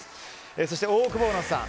そして、オオクボーノさん。